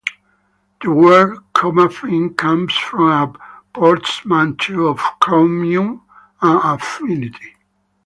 The word 'Chromaffin' comes from a portmanteau of "chrom"ium and "affin"ity.